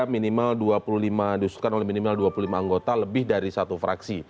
minimal dua puluh lima diusulkan oleh minimal dua puluh lima anggota lebih dari satu fraksi